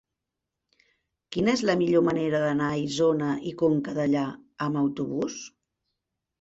Quina és la millor manera d'anar a Isona i Conca Dellà amb autobús?